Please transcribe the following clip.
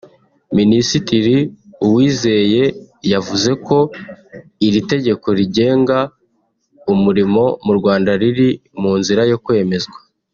Minisitiri Uwizeye yavuze ko iri tegeko rigenga umurimo mu Rwanda riri mu nzira yo kwemezwa